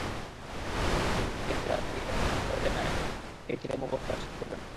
দুর্নীতিকে Germany যেমন প্রশ্রয় দেয় না, এইচ অ্যান্ড এমও বরদাশত করে না।